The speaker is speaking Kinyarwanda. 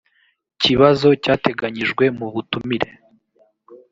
kibazo cyateganyijwe mu butumire